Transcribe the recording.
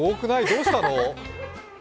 どうしたの？